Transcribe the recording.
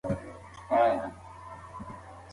مسواک کارول د خولې د میکروبونو قاتل دی.